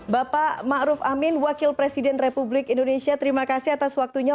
bapak ma'ruf amin wakil presiden republik indonesia terima kasih atas waktunya